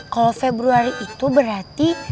kalau februari itu berarti